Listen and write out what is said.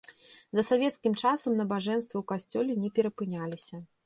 За савецкім часам набажэнствы ў касцёле не перапыняліся.